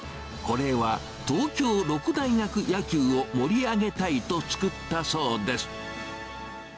これは東京六大学野球を盛り上げたいと作ったそうです。